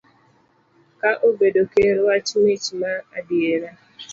Ka abedo ker, wach wich ma adier.